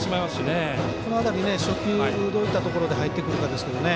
その辺り初球どういったところで入ってくるかですね。